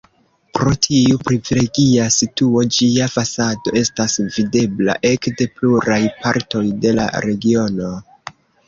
Pro tiu privilegia situo ĝia fasado estas videbla ekde pluraj partoj de la regiono.